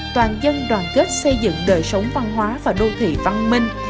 toàn dân đoàn kết xây dựng đời sống văn hóa và đô thị văn minh